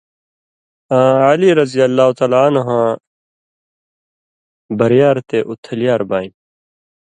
آں علی یاںرض بَریار تے اُتھلیۡیار بانیۡ۔